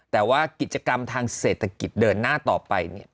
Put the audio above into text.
แต่ว่ากิจกรรมทางเศรษฐกิจเดินหน้าต่อไปเนี่ย